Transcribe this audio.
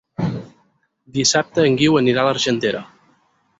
Dissabte en Guiu anirà a l'Argentera.